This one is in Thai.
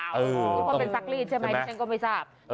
หรือเปล่าเป็นซักลีดใช่ไหมฉันก็ไม่ทราบ